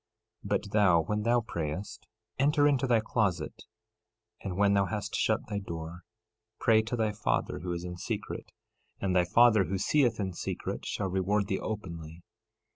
13:6 But thou, when thou prayest, enter into thy closet, and when thou hast shut thy door, pray to thy Father who is in secret; and thy Father, who seeth in secret, shall reward thee openly.